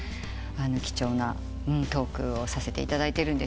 貴重なトークをさせていただいてるんですけど。